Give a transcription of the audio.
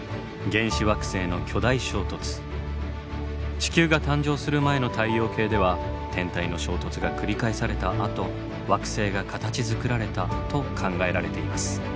地球が誕生する前の太陽系では天体の衝突が繰り返されたあと惑星が形づくられたと考えられています。